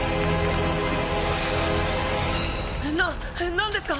なんですか